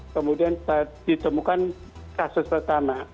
kemudian ditemukan kasus pertama